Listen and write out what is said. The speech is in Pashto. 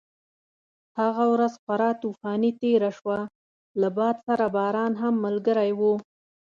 هغه ورځ خورا طوفاني تېره شوه، له باد سره باران هم ملګری و.